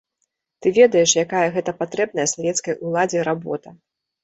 Ты ведаеш, якая гэта патрэбная савецкай уладзе работа.